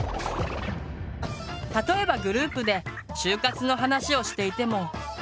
例えばグループで就活の話をしていても。